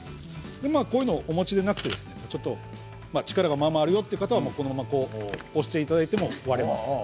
こういうものをお持ちでなくて力がまあまああるよという方はこのまま押していただいても割れます。